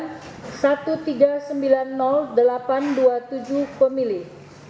satu daftar pemilih tambahan satu tiga sembilan delapan enam sembilan empat pemilih